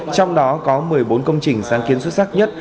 trong đó có một mươi bốn công trình sáng kiến xuất sắc nhất